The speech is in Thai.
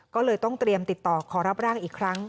ก็เลยต้องเตรียมติดต่อขอรับร่างอีกครั้ง